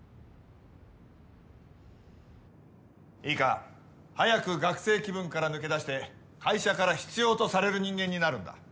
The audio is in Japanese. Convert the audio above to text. いいか？早く学生気分から抜け出して会社から必要とされる人間になるんだ。